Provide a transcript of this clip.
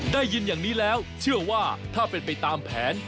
ได้ยินอย่างนี้แล้วเชื่อว่าถ้าเป็นไปตามแผน